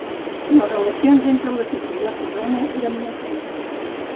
Les relacions entre la City i la Corona eren molt tenses.